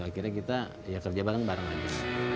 akhirnya kita ya kerja bareng bareng aja